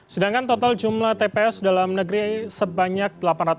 sedangkan total jumlah tps dalam negeri sebanyak delapan ratus